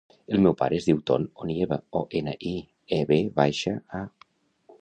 El meu pare es diu Ton Onieva: o, ena, i, e, ve baixa, a.